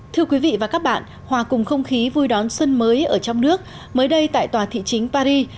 thưa quý vị và các bạn hòa cùng không khí vui đón xuân mới ở trong nước mới đây tại tòa thị chính paris